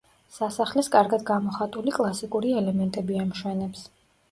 სასახლეს კარგად გამოხატული კლასიკური ელემენტები ამშვენებს.